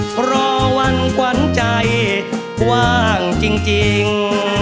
เพราะว่างวันใจว่างจริงจริง